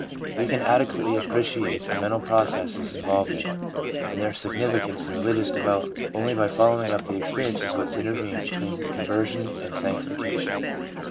We can adequately appreciate the mental processes involved in it, and their significance in religious development, only by following up the ex . periences which intervene between conversion and sanctification.